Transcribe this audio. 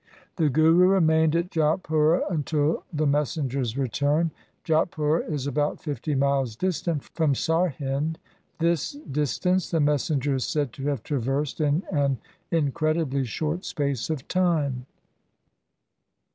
The Guru SIKH, v O 194 THE SIKH RELIGION remained at Jatpura until the messenger's return. Jatpura is about fifty miles distant from Sarhind. This distance the messenger is said to have traversed in an incredibly short space of time.